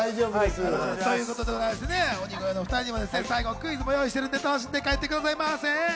鬼越のお２人には最後クイズも用意してるので、楽しんで帰ってくださいませ。